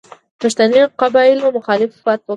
پښتني قبایلو مخالفت وکړ.